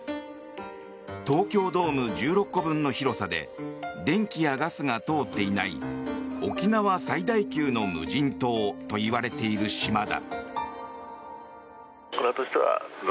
東京ドーム１６個分の広さで電気やガスが通っていない沖縄最大級の無人島といわれている島だ。